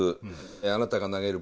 「あなたが投げるボール。